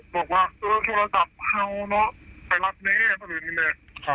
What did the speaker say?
บอกว่าเออโทรศัพท์เข้าเนอะไปรับแม่พอเลยนี่แหละค่ะ